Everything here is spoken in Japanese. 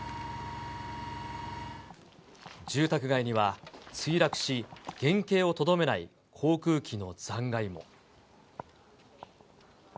住宅街には墜落し、原形をとどめない航空機の残骸も。